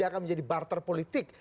akan menjadi barter politik